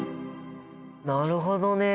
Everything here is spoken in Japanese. なるほどね！